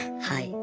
はい。